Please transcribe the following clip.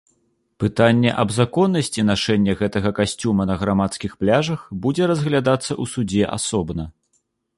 Пытанне аб законнасці нашэння гэтага касцюма на грамадскіх пляжах будзе разглядацца ў судзе асобна.